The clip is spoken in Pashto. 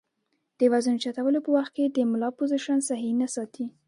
د وزن اوچتولو پۀ وخت د ملا پوزيشن سهي نۀ ساتي